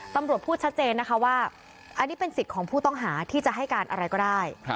พูดชัดเจนนะคะว่าอันนี้เป็นสิทธิ์ของผู้ต้องหาที่จะให้การอะไรก็ได้